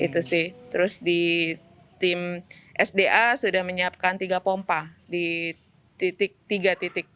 terus di tim sda sudah menyiapkan tiga pompa di tiga titik